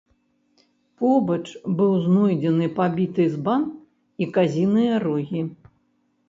Побач быў знойдзены пабіты збан і казіныя рогі.